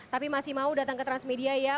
tapi masih mau datang ke transmedia ya